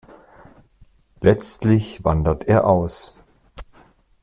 Letztlich wandert er aus.